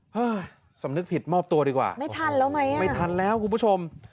ฮะสำนึกผิดมอบตัวดีกว่าไม่ทันแล้วไหมอ่ะไม่ทันแล้วคุณผู้ชม